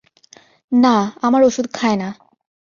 নাহ, আমার ওষুধ খায় না।